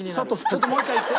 ちょっともう一回言って。